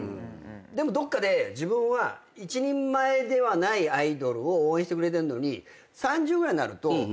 でもどっかで自分は一人前ではないアイドルを応援してくれてんのに。